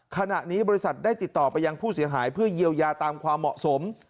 ขณะนี้บริษัทได้ติดต่อไปยังผู้เสียหายเพื่อเยียวยาตามความเหมาะสม